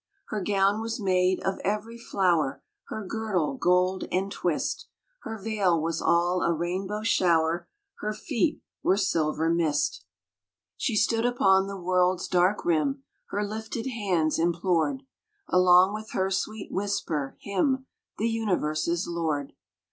Her gown was made of every flower, Her girdle gold entwist, Her veil was all a rainbow shower, Her feet were silver mist. 21 22 THE PRAYER OF MARY QUEEN She stood upon the world's dark rim, Her lifted hands implored, Along with her sweet whisper, Him, The Universe's Lord.